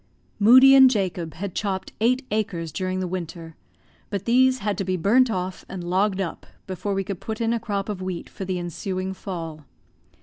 Moodie and Jacob had chopped eight acres during the winter, but these had to be burnt off and logged up before we could put in a crop of wheat for the ensuing fall.